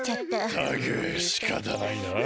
ったくしかたないなあ。